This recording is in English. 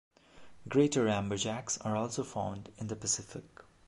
Greater amberjacks are also found in the Pacific.